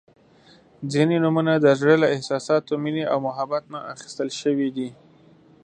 • ځینې نومونه د زړۀ له احساساتو، مینې او محبت نه اخیستل شوي دي.